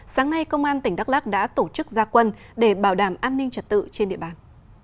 sáng nay công an tỉnh đắk lắc đã tổ chức gia quân để bảo đảm an ninh trật tự trên địa bàn